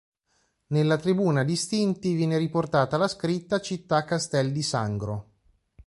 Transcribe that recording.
Nella tribuna "Distinti" viene riportata la scritta "Città Castel di Sangro".